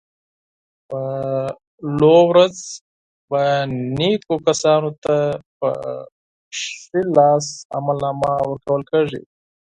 په لو ورځ به نېکو کسانو ته په ښي لاس عملنامه ورکول کېږي.